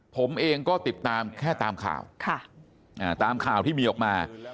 ผมเองก็ติดตามแค่ตามข่าวตามข่าวที่มีออกมา